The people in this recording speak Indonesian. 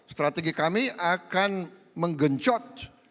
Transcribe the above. strategi kami akan menggencot